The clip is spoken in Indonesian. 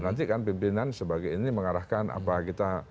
nanti kan pimpinan sebagai ini mengarahkan apa kita